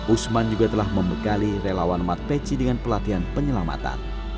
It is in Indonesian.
usman juga telah membekali relawan matpeci dengan pelatihan penyelamatan